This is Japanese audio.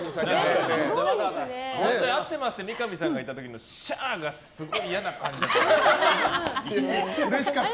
本当に合ってますって三上さんが言った時のよっしゃー！がすごい嫌な感じだった。